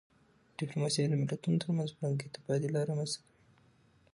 ډيپلوماسي د ملتونو ترمنځ فرهنګي تبادله رامنځته کوي.